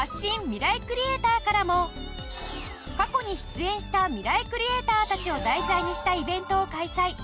ミライクリエイター』からも過去に出演したミライクリエイターたちを題材にしたイベントを開催。